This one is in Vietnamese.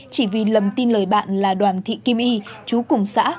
chỉ vì lầm tin lời bạn là đoàn thị kim y chú cùng xã